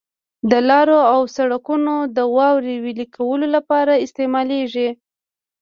د لارو او سرکونو د واورې ویلي کولو لپاره استعمالیږي.